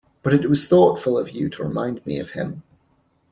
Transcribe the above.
But it was thoughtful of you to remind me of him.